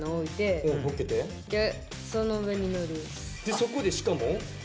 そこでしかも？